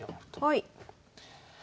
はい。